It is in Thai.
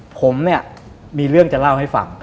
ผมเนี่ยมีเรื่องจะเล่าให้ฟัง